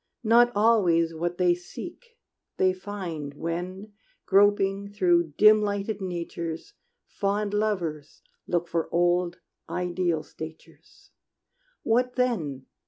Not always what they seek they find When, groping through dim lighted natures, Fond lovers look for old, ideal statures. What then?